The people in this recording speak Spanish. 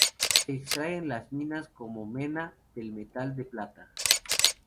Se extrae en las minas como mena del metal de plata.